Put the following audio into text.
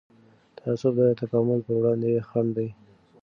تعصب د تکامل پر وړاندې خنډ دی